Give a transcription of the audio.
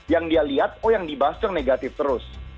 yang dia lihat oh yang dibahas itu yang negatif terus